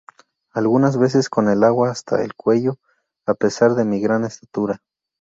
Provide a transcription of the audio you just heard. Algunas veces con el agua hasta el cuello, a pesar de mi gran estatura"".